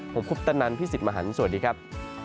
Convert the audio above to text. ผมคุปตะนันพี่สิทธิ์มหันฯสวัสดีครับ